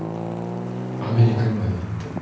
アメリカにまで行って。